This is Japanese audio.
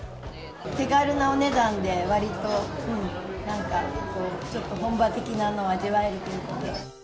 手軽なお値段でわりとなんか、ちょっと本場的なのを味わえるということで。